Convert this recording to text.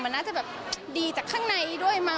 มันน่าจะแบบดีจากข้างในด้วยมั้